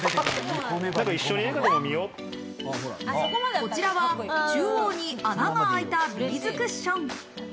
こちらは中央に穴があいたビーズクッション。